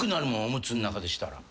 おむつん中でしたら。